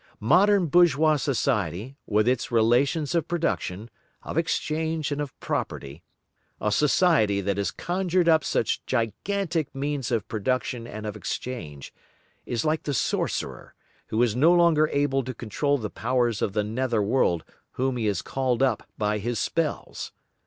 Modern bourgeois society with its relations of production, of exchange and of property, a society that has conjured up such gigantic means of production and of exchange, is like the sorcerer, who is no longer able to control the powers of the nether world whom he has called up by his spells.